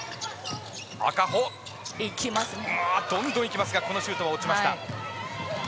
赤穂、どんどんいきますがこのシュートは落ちました。